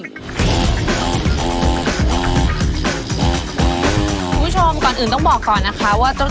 คุณผู้ชมก่อนอื่นต้องบอกก่อนนะคะว่า